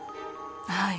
はい。